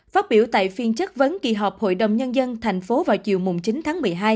phát biểu tại phiên chất vấn kỳ họp hội đồng nhân dân thành phố vào chiều chín tháng